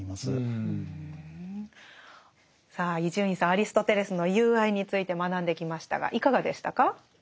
アリストテレスの「友愛」について学んできましたがいかがでしたか？